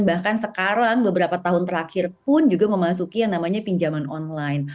bahkan sekarang beberapa tahun terakhir pun juga memasuki yang namanya pinjaman online